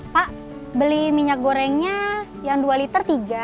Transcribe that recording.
pak beli minyak gorengnya yang dua liter tiga